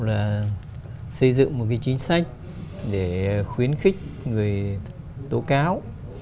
là xây dựng một cái chính sách để khuyến khích người tổ cao